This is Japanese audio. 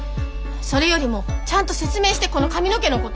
それよりもちゃんと説明してこの髪の毛のこと。